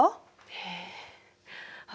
へえあっ